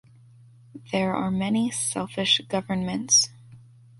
There are many selfish governments.